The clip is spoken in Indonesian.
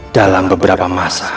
dalam beberapa masa